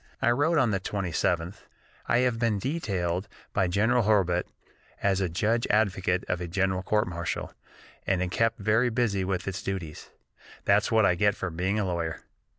I wrote on the 27th: "I have been detailed by General Hurlbut as judge advocate of a general court martial, and am kept very busy with its duties. That's what I get for being a lawyer."